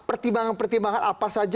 pertimbangan pertimbangan apa saja